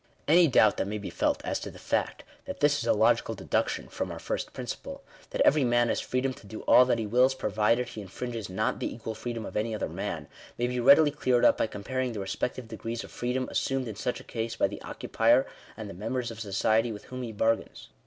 Any doubt that may be felt as to the fact that this is a logical deduction from our first principle, that every man has freedom to do all that he wills provided he infringes not the equal freedom of any other man, may be readily cleared up by comparing the respective degrees of freedom assumed in such a case by the occupier and the members of society with whom he bargains.